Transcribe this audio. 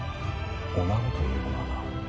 女子というものはな。